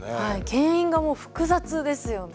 原因がもう複雑ですよね。